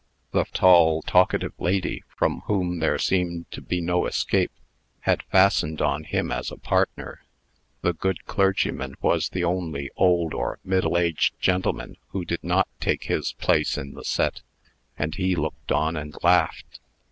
The tall, talkative lady, from whom there seemed to be no escape, had fastened on him as a partner. The good clergyman was the only old or middle aged gentleman who did not take his place in the set, and he looked on and laughed.